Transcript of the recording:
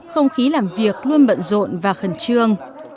không khí làm việc luôn bận rộn và khẩn trương